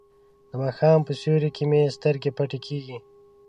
د ماښام په سیوري کې مې سترګې پټې کیږي.